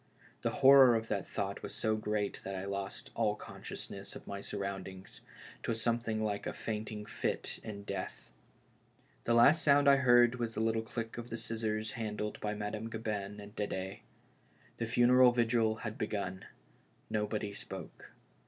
The horror of that thought was so great that I lost all conscious ness of my surroundings — 'twas something like a faint ing fit in death. The last sound I heard was the little click of the scissors handled by Madame Gabin and D^de. The funeral vigil had begun ; nobody spoke.